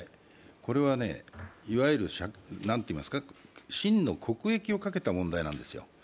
これはいわゆる真の国益をかけた問題なんですよ。